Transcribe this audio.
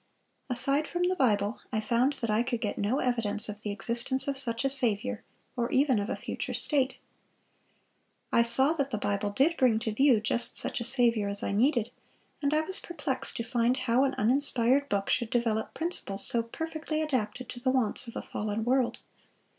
Aside from the Bible, I found that I could get no evidence of the existence of such a Saviour, or even of a future state.... "I saw that the Bible did bring to view just such a Saviour as I needed; and I was perplexed to find how an uninspired book should develop principles so perfectly adapted to the wants of a fallen world.